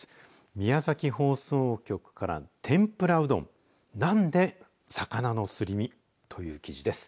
宮崎放送局から、天ぷらうどんなんで魚のすり身？という記事です。